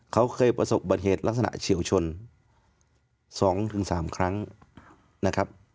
เขาเคยประสบบัติเหตุลักษณะเฉียวชน๒๓ครั้งนะครับ